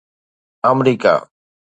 آمريڪا